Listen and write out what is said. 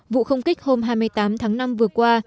vụ không kích hôm hai mươi tám tháng năm vừa qua